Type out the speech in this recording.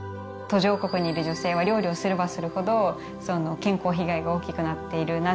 途上国にいる女性は料理をすればするほど健康被害が大きくなっている。